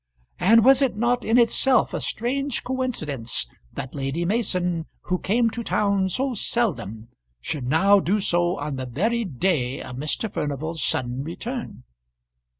And was it not in itself a strange coincidence that Lady Mason, who came to town so seldom, should now do so on the very day of Mr. Furnival's sudden return?